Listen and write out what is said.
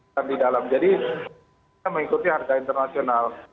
jadi kita mengikuti harga internasional